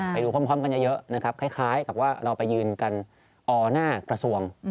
ไปดูพร้อมกันเยอะนะครับคล้ายกับว่าเราไปยืนกันออหน้ากระทรวง